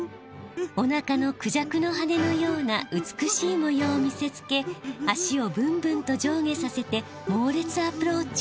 おなかのクジャクの羽のような美しい模様を見せつけ足をブンブンと上下させてもうれつアプローチ！